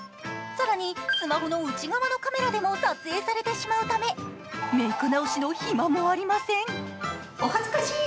更にスマホの内側のカメラでも撮影されてしまうため、メイク直しの暇もありません。